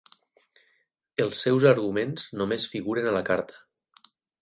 Els seus arguments només figuren a la carta.